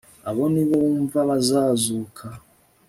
abo nibo wumva bazazuka